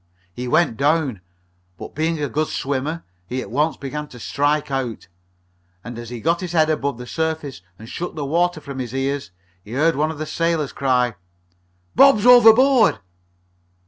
He went down, but, being a good swimmer, he at once began to strike out, and as he got his head above the surface and shook the water from his ears, he heard one of the sailors cry: "Bob's overboard!"